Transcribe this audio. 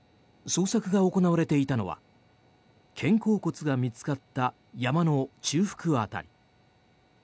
捜索が行われていたのは肩甲骨が見つかった山の中腹辺り。